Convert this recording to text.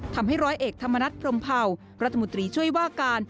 ทำให้ร้อยเอกธรรมนัฐพรมเผารัฐมนตรีช่วยว่าการ